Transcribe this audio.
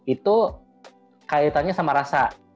itu kaitannya sama rasa